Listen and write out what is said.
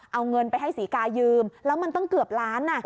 เอาเงินไปให้ศรีกายืมแล้วมันตั้งเกือบล้าน